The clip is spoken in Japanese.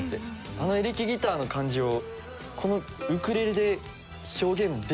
あのエレキギターの感じをこのウクレレで表現できるのか！って思って。